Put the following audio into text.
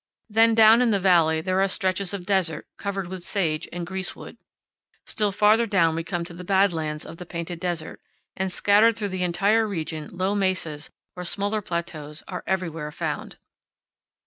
Then down in the valley there are stretches of desert covered with sage and grease wood. Still farther down we come to the bad lands of the Painted Desert; and scattered through the entire region low mesas or smaller plateaus are everywhere found.